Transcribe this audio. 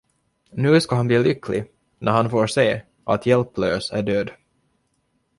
Nu ska han bli lycklig, när han får se, att Hjälplös är död.